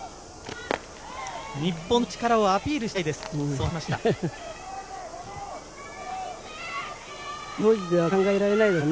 日本の力をアピールしたいです。